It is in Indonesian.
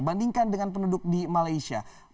bandingkan dengan penduduk di malaysia